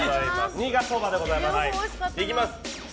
２がそばでございます。